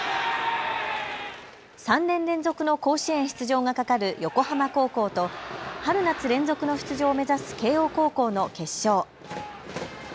３年連続の甲子園出場がかかる横浜高校と春夏連続の出場を目指す慶応高校の決勝。